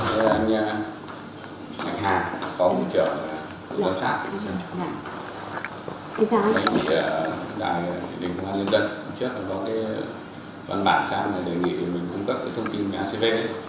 úi đại đình an ninh trật cũng trước có văn bản sang để đề nghị mình cung cấp thông tin về acv